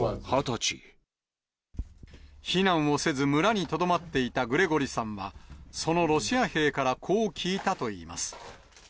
避難をせず、村にとどまっていたグレゴリさんは、そのロシア兵からこう聞いたといいます。